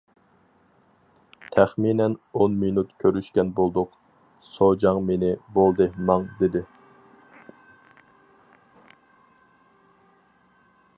تەخمىنەن ئون مىنۇت كۆرۈشكەن بولدۇق، سوجاڭ مېنى: «بولدى، ماڭ! » دېدى.